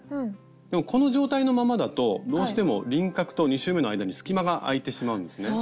でもこの状態のままだとどうしても輪郭と２周めの間に隙間が空いてしまうんですね。